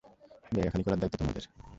জায়গা খালি করার দায়িত্ব তোমাদের।